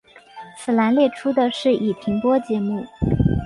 此栏列出的是已停播节目。